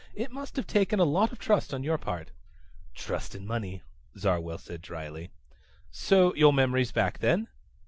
It must have taken a lot of trust on your part." "Trust and money," Zarwell said drily. "Your memory's back then?"